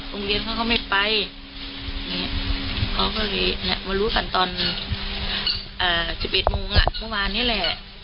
โรงเรียนเขาก็ไม่ไปเขาก็เลยมารู้กันตอน๑๑โมงเมื่อวานนี้แหละ